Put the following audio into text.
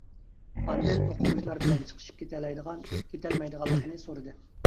ئاندىن ئوقۇغۇچىلار بىلەن چىقىشىپ كېتەلەيدىغان كېتەلمەيدىغانلىقىنى سورىدى.